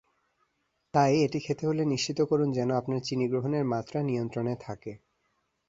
তাই এটি খেতে হলে নিশ্চিত করুন যেন আপনার চিনি গ্রহণের মাত্রা নিয়ন্ত্রণে থাকে।